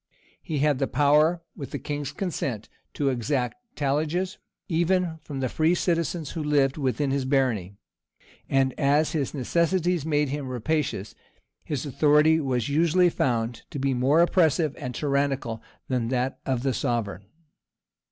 He had the power, with the king's consent, to exact talliages even from the free citizens who lived within his barony; and as his necessities made him rapacious, his authority was usually found to be more oppressive and tyrannical than that of the sovereign.